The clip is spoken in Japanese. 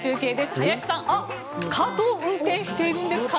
林さんカートを運転しているんですか？